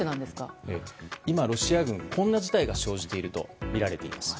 今ロシア軍、こんな事態が生じているとみられています。